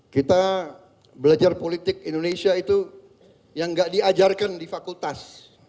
kita belajar politik indonesia itu yang gak diajarkan di fakultas